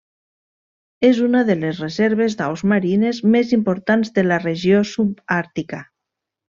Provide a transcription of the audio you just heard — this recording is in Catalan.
És una de les reserves d'aus marines més importants de la regió subàrtica.